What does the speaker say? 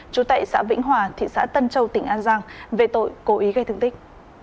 trú tại xã vĩnh hòa thị xã tân châu tỉnh an giang về tội cố ý gây thương tích